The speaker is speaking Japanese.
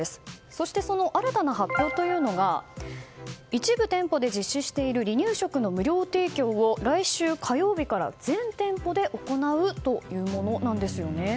そして新たな発表というのが一部店舗で実施している離乳食の無料提供を来週火曜日から全店舗で行うというものなんです。